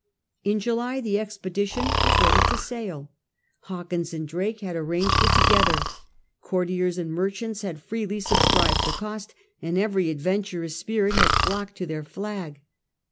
In July the expedition was ready to sail. Hawkins and Drake had arranged it together. Courtiers and merchants had freely subscribed the cost, and every adventurous spirit had flocked to their flag.